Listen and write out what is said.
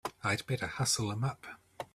I'd better hustle him up!